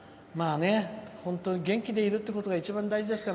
本当に元気でいるってことが一番大事ですから。